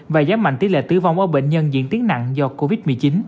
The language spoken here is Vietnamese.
và giảm mạnh tỷ lệ tử vong ở bệnh nhân diễn tiến nặng do covid một mươi chín